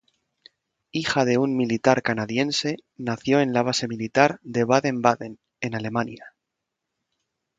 Hija de un militar canadiense, nació en la base militar de Baden-Baden, en Alemania.